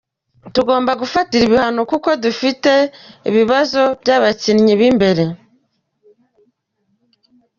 Tugomba kufatira ibihano kuko dufite ibibazo by’abakinnyi b’imbere.